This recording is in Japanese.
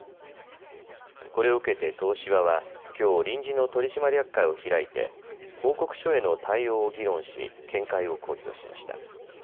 これを受けて東芝は、きょう臨時の取締役会を開いて報告書への対応を議論し見解を公表しました。